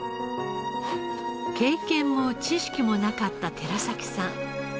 経験も知識もなかった寺崎さん。